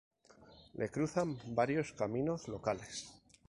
Le cruzan varios caminos locales.